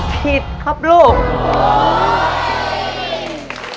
ผิดครับลูก